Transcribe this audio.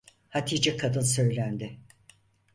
Hatice kadın söylendi.